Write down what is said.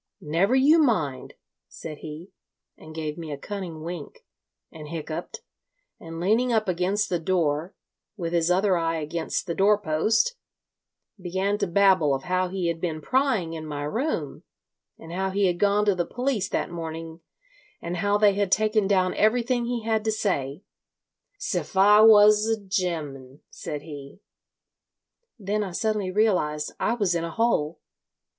'Never you mind,' said he, and gave me a cunning wink, and hiccuped, and leaning up against the door, with his other eye against the door post, began to babble of how he had been prying in my room, and how he had gone to the police that morning, and how they had taken down everything he had to say—''siffiwas a ge'm,' said he. Then I suddenly realised I was in a hole.